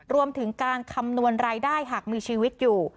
รวมถึงการคำนวณรายได้หากมีชีวิตอยู่